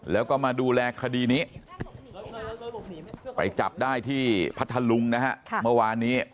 แล้วก็มาดูแลคดีนี้ไปจับได้ที่พัทธลุงนะฮะเมื่อวานนี้